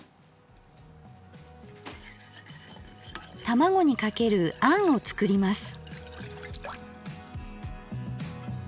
卵にかけるあんを作ります。